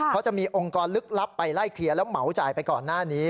เขาจะมีองค์กรลึกลับไปไล่เคลียร์แล้วเหมาจ่ายไปก่อนหน้านี้